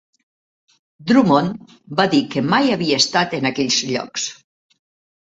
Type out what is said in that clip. Drummond va dir que mai havia estat en aquells llocs.